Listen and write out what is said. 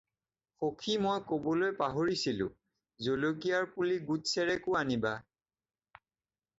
সখি মই ক'বলৈ পাহৰিছিলোঁ, জলকীয়াৰ পুলি গোটাচেৰেকো আনিবা।